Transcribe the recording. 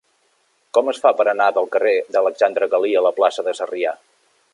Com es fa per anar del carrer d'Alexandre Galí a la plaça de Sarrià?